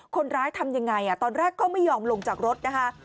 คนร้ายทำยังไงตอนแรกก็ไม่ยอมลงจากรถนะคะ